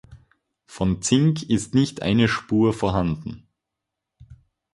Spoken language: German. Von Zink ist nicht eine Spur vorhanden.